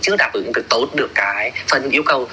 chưa đáp ứng được tốt được cái phần yêu cầu